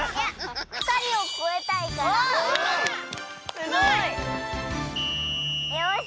すごい！よし！